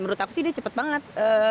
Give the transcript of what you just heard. menurut aku sih dia cepat banget